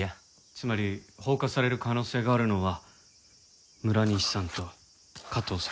つまり放火される可能性があるのは村西さんと加藤さん。